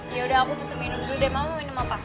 yaudah aku pesen minum dulu deh mama mau minum apa